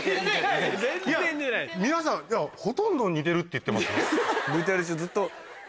皆さんほとんどが似てるって言ってますよ。